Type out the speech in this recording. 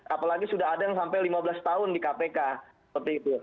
apalagi sudah ada yang sampai lima belas tahun di kpk seperti itu